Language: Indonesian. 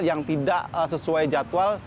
yang tidak sesuai jadwal